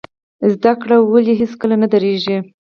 زده کړه ولې هیڅکله نه دریږي؟